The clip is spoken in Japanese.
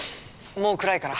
もう暗いから。